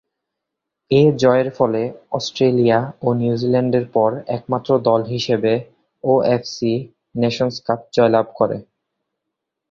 এ জয়ের ফলে অস্ট্রেলিয়া ও নিউজিল্যান্ডের পর একমাত্র দল হিসেবে ওএফসি নেশন্স কাপ জয়লাভ করে।